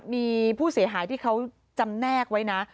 มีผู้เสียหายที่เขาจำแนกไว้นะ